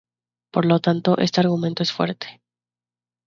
Por lo tanto, este argumento es fuerte.